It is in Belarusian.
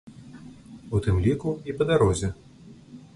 У тым ліку і па дарозе.